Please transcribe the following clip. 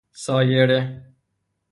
سایره